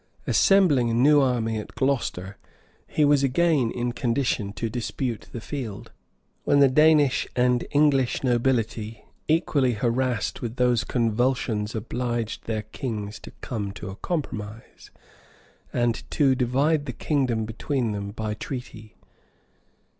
Assembling a new army at Glocester, he was again in condition to dispute the field; when the Danish and English nobility, equally harassed with those convulsions obliged their kings to come to a compromise, and to divide the kingdom between them by treaty.